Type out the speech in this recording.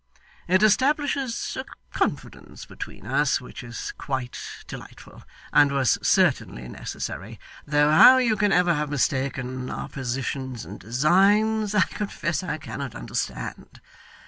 It establishes a confidence between us which is quite delightful, and was certainly necessary, though how you can ever have mistaken our positions and designs, I confess I cannot understand.